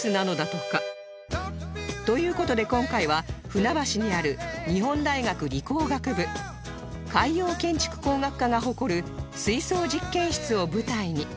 という事で今回は船橋にある日本大学理工学部海洋建築工学科が誇る水槽実験室を舞台に